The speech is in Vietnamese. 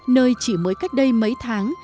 nơi chỉ mới cách đây mấy tháng